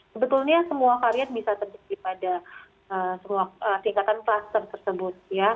sebetulnya semua varian bisa terdiri pada semua singkatan kluster tersebut ya